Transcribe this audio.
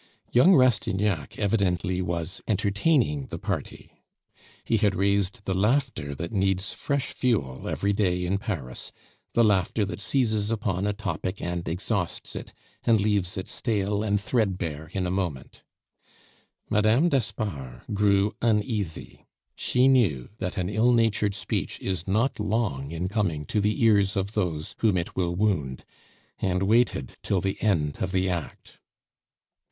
Young Rastignac evidently was entertaining the party; he had raised the laughter that needs fresh fuel every day in Paris, the laughter that seizes upon a topic and exhausts it, and leaves it stale and threadbare in a moment. Mme. d'Espard grew uneasy. She knew that an ill natured speech is not long in coming to the ears of those whom it will wound, and waited till the end of the act.